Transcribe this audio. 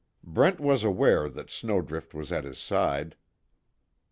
Brent was aware that Snowdrift was at his side.